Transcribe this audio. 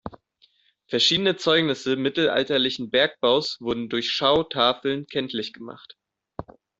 Verschiedene Zeugnisse mittelalterlichen Bergbaus wurden durch Schautafeln kenntlich gemacht.